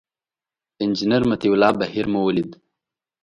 انجینر مطیع الله بهیر مو ولید.